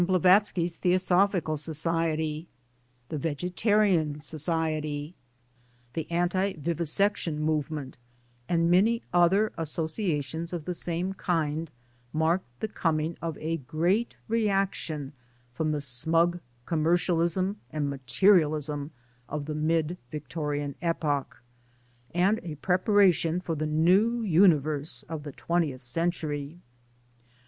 Blavatsky's Theosophical Society, the Vegetarian Society, the Anti vivisection move ment, and many other associations of the same kind marked the coming of a great reaction from the smug commercialism and materialism of the mid Victorian epoch, and a preparation for the new universe of the twentieth century.